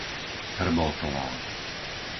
Hrboltová